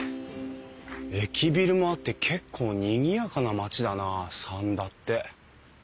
駅ビルもあって結構にぎやかな町だな三田って。